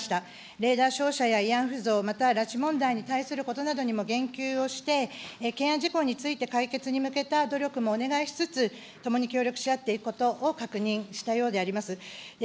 レーダー照射や慰安婦像、また、拉致問題に対することなどにも言及をして、懸案事項について解決に向けた努力もお願いしつつ、ともに協力し合っていくことを確認したようであります。